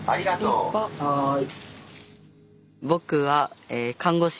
はい。